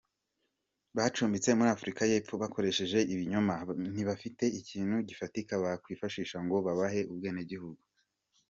Bacumbitse muri Afurika y’Epfo bakoresheje ibinyoma, ntibafite ikintu gifatika bakwifashisha ngo babahe ubwenegihugu.